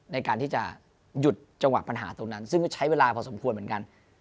ในการที่จะหยุดจังหวะปัญหาตรงนั้นซึ่งก็ใช้เวลาพอสมควรเหมือนกัน